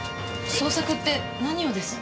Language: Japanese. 捜索って何をです？